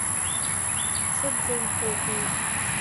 Шьыбгеи Мшәылди.